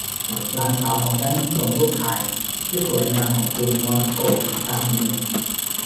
หลานสาวของฉันส่งรูปถ่ายที่สวยงามของกรุงมอสโกทางอีเมล